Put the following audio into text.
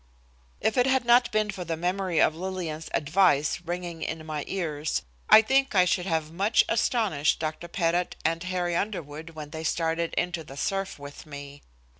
If it had not been for the memory of Lillian's advice ringing in my ears, I think I should have much astonished Dr. Pettit and Harry Underwood when they started into the surf with me.